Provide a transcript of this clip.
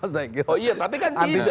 oh iya tapi kan tidak